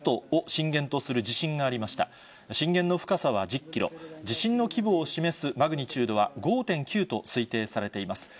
震源の深さは１０キロ、地震の規模を示すマグニチュードは５．９と推定されています。